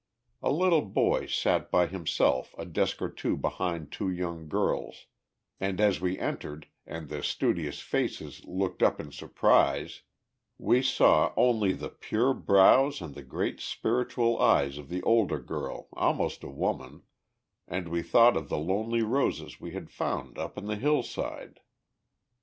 A little boy sat by himself a desk or two behind two young girls, and as we entered, and the studious faces looked up in surprise, we saw only the pure brows and the great spiritual eyes of the older girl, almost a woman, and we thought of the lonely roses we had found up on the hillside.